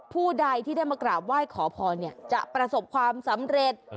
ผู้ใดที่ได้มากราบไหว้ขอพรจะประสบความสำเร็จ